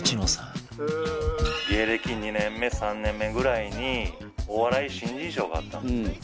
芸歴２年目３年目ぐらいにお笑い新人賞があったんですね。